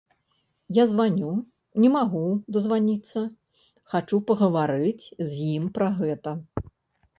Я званю, не магу дазваніцца, хачу пагаварыць з ім пра гэта.